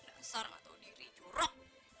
dasar gak tau diri jorok